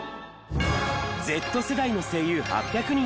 Ｚ世代の声優８００人が選ぶ！